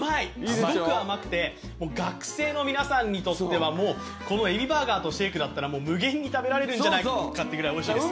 すごく甘くて学生の皆さんにとってはもうこのエビバーガーとシェークだったら無限に食べれるんじゃないかってぐらいおいしいです。